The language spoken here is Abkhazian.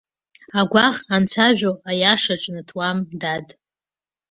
Агәаӷ анцәажәо, аиаша ҿнаҭуам, дад.